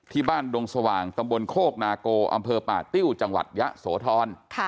ดงสว่างตำบลโคกนาโกอำเภอป่าติ้วจังหวัดยะโสธร